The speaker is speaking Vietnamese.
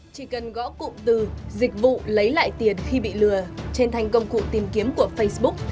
chỉ cần gõ cụm từ dịch vụ lấy lại tiền khi bị lừa trên thành công cụ tìm kiếm của facebook